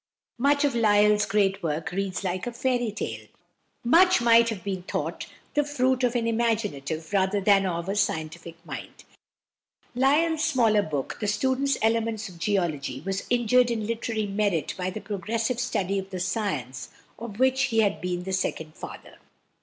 Much of Lyell's great work reads like a fairy tale; much might have been thought the fruit of an imaginative rather than of a scientific mind. Lyell's smaller book, the "Student's Elements of Geology," was injured in literary merit by the progressive study of the science of which he had been the second father.